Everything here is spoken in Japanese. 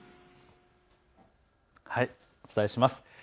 お伝えします。